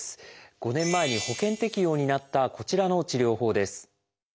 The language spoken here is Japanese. ５年前に保険適用になったこちらの治療法です。